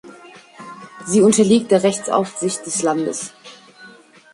Sie unterliegt der Rechtsaufsicht des Landes.